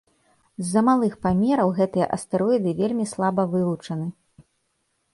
З-за малых памераў гэтыя астэроіды вельмі слаба вывучаны.